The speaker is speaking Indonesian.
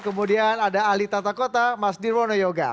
kemudian ada ahli tata kota mas nirwono yoga